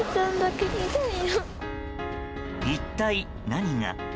一体、何が。